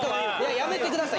やめてください！